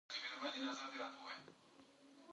تودوخه د افغانانو د معیشت سرچینه ده.